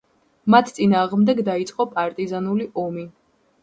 მათ წინააღმდეგ დაიწყო პარტიზანული ომი.